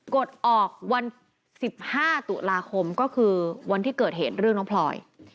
กดออกวัน๑๕ตุลาคมก็คือวันที่เกิดเหตุเรื่องน้องพลอย